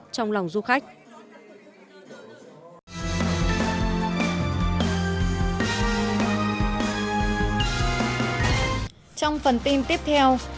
trong phần tin tiếp theo